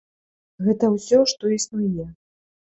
Гэта ўсё што існуе.